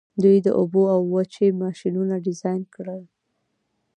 دوی د اوبو او وچې ماشینونه ډیزاین کوي.